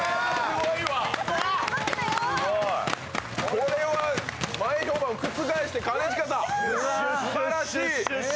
これは前評判を覆して兼近さんすばらしい！